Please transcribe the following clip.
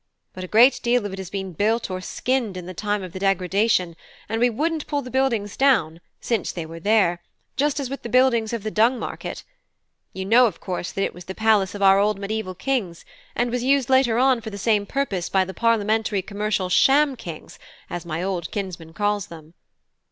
But a great deal of it has been built or skinned in the time of the Degradation, and we wouldn't pull the buildings down, since they were there; just as with the buildings of the Dung Market. You know, of course, that it was the palace of our old mediaeval kings, and was used later on for the same purpose by the parliamentary commercial sham kings, as my old kinsman calls them."